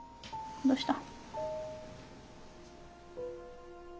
どうした？